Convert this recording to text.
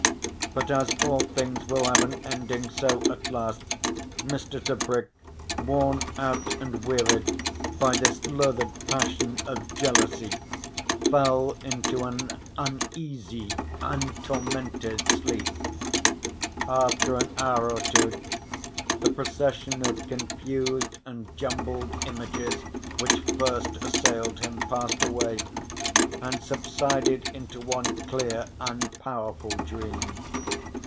But as all things will have an ending so at last Mr. Tebrick, worn out and wearied by this loathed passion of jealousy, fell into an uneasy and tormented sleep. After an hour or two the procession of confused and jumbled images which first assailed him passed away and subsided into one clear and powerful dream.